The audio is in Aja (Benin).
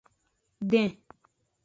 Den.